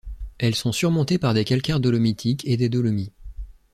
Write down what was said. Elles sont surmontées par des calcaires dolomitiques et des dolomies.